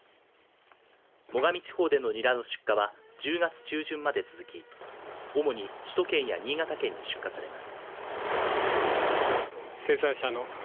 最上地方でのニラの出荷は１０月中旬まで続き主に首都圏や新潟県に出荷されます。